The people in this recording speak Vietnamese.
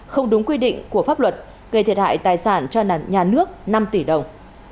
không đúng quy định của pháp luật gây thiệt hại tài sản cho nhà nước năm tỷ đồng